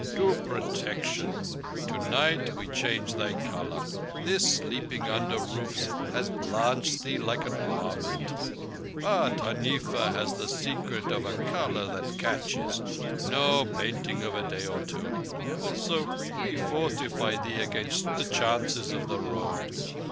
"To protection. Tonight we change thy colour. This sleeping under roofs has blanched thee like an almond. But Huneefa has the secret of a colour that catches. No painting of a day or two. Also, we fortify thee against the chances of the Road.